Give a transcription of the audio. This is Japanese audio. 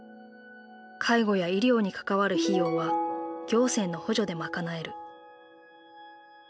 介護や医療に関わる費用は行政の補助で賄える。